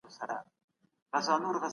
ظلم د دولت عمر لنډوي.